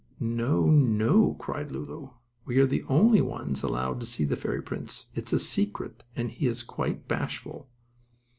"Oh, no!" cried Lulu. "We are the only ones allowed to see the fairy prince. It's a secret, and he is quite bashful."